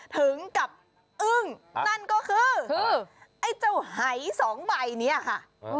ถึงกับอึ้งนั่นก็คือไอ้เจ้าหายสองใบนี้ค่ะ